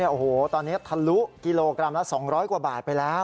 โอ้โหตอนนี้ทะลุกิโลกรัมละ๒๐๐กว่าบาทไปแล้ว